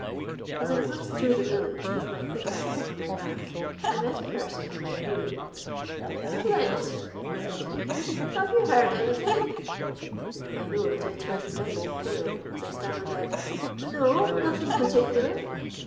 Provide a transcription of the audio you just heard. "As I passed through the village, with my pickaxe on my back, I met a person whom I knew. 'Splint,' said he, 'have you heard any thing?'—I know that I turned deadly pale, as I stammered out, 'No, nothing particular.'